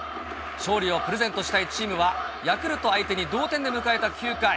勝利をプレゼントしたいチームは、ヤクルト相手に同点で迎えた９回。